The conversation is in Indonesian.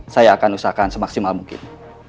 saya akan usahakan semaksimal mungkin